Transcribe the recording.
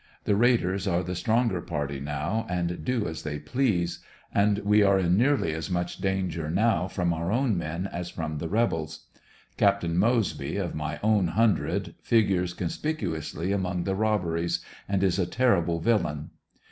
The raiders are the stronger party now, and do as they please; and we are in nearly as much danger now from our own men as from the rebels Capt. Moseby, of my own hundred, figures conspicu ously among the robberies, and is a terrible villain.